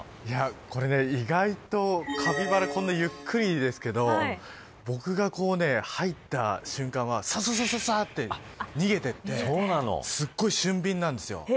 これ、意外とカピバラこんなゆっくりですけど僕が入った瞬間はさささって逃げていってすごい俊敏なんですよ。